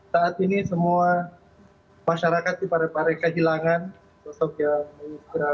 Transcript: saat ini semua masyarakat di parepare kehilangan sosok yang berada